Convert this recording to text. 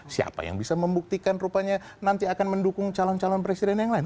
siapa yang bisa membuktikan rupanya nanti akan mendukung calon calon presiden yang lain